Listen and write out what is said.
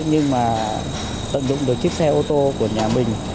nhưng mà tận dụng được chiếc xe ô tô của nhà mình